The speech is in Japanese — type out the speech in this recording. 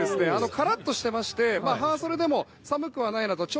カラッとしてまして半袖でも寒くはないなと。